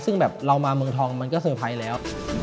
ซึ่งแบบเรามาเมืองทองมันก็เซอร์ไพรส์แล้ว